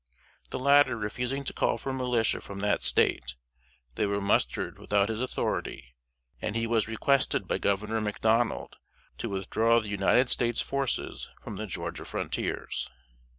The latter refusing to call for militia from that State, they were mustered without his authority, and he was requested by Governor McDonald to withdraw the United States forces from the Georgia frontiers.